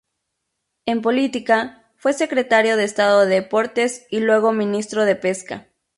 En política, fue Secretario de Estado de Deportes y luego Ministro de Pesca.